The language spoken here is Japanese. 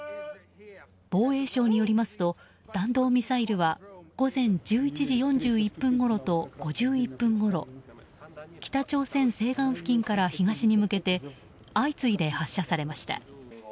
防衛省によりますと弾道ミサイルは午前１１時４１分ごろと５１分ごろ北朝鮮西岸付近から東に向けて相次いで発射されました。